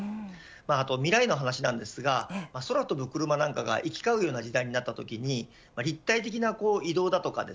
あとは未来の話ですが空飛ぶ車なんかが行きかうような事態になったとき立体的な移動だとか